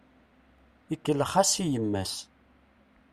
Ikellex-as i yemma-s.